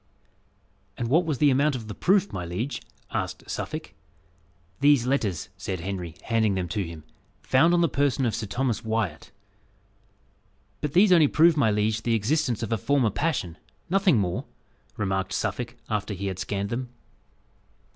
"And what was the amount of the proof, my liege?" asked Suffolk. "These letters," said Henry, handing them to him, "found on the person of Sir Thomas Wyat." "But these only prove, my liege, the existence of a former passion nothing more," remarked Suffolk, after he had scanned them.